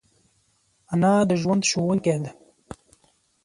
انا د ژوند ښوونکی ده